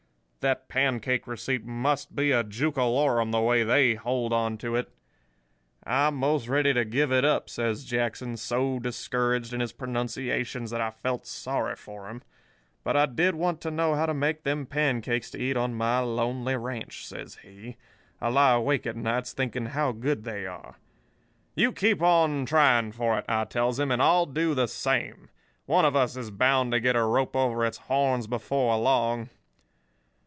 That pancake receipt must be a jookalorum, the way they hold on to it.' "'I'm most ready to give it up,' says Jackson, so discouraged in his pronunciations that I felt sorry for him; 'but I did want to know how to make them pancakes to eat on my lonely ranch,' says he. 'I lie awake at nights thinking how good they are.' "'You keep on trying for it,' I tells him, 'and I'll do the same. One of us is bound to get a rope over its horns before long.